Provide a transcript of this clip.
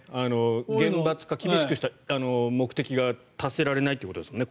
厳罰化、厳しくした目的が達せられないということですね